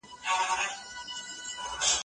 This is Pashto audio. ایا بهرني سوداګر وچ زردالو پلوري؟